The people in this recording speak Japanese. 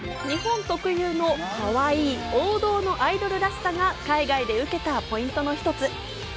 日本特有のかわいい王道のアイドルらしさが海外でウケたポイントの一つ。